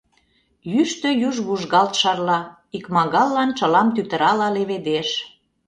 Йӱштӧ юж вужгалт шарла, икмагаллан чылам тӱтырала леведеш.